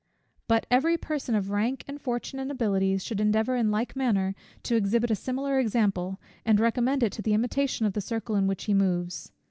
But every person of rank, and fortune, and abilities, should endeavour in like manner to exhibit a similar example, and recommend it to the imitation of the circle in which he moves.